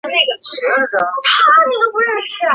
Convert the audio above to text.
叶片的圆形裂片为扑克牌梅花图案的来源。